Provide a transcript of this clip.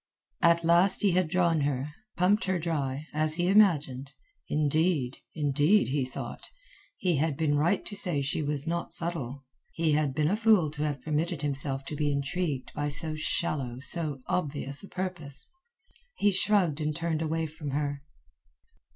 At last he had drawn her, pumped her dry, as he imagined. Indeed, indeed, he thought, he had been right to say she was not subtle. He had been a fool to have permitted himself to be intrigued by so shallow, so obvious a purpose. He shrugged and turned away from her.